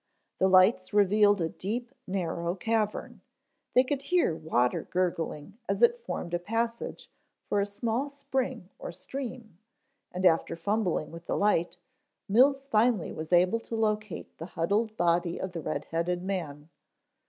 The lights revealed a deep, narrow cavern, they could hear water gurgling as if it formed a passage for a small spring or stream, and after fumbling with the light, Mills finally was able to locate the huddled body of the red headed man.